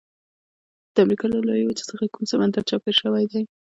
د امریکا له لویې وچې څخه کوم سمندرونه چاپیر شوي دي؟